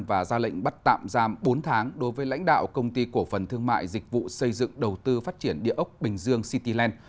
và ra lệnh bắt tạm giam bốn tháng đối với lãnh đạo công ty cổ phần thương mại dịch vụ xây dựng đầu tư phát triển địa ốc bình dương cityland